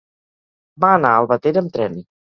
Va anar a Albatera amb tren.